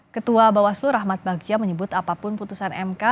ketua bawaslu rahmat bagja menyebut apapun putusan mk